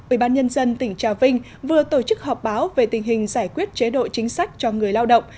ubnd tỉnh trà vinh vừa tổ chức họp báo về tình hình giải quyết chế độ chính sách cho người lao động